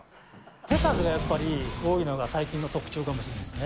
手数がやっぱり多いのが最近の特徴かもしれないですね。